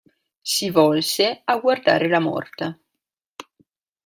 Si volse a guardare la morta.